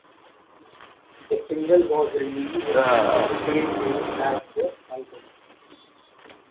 The single was released the same day as the album.